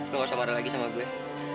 gak usah marah lagi sama gue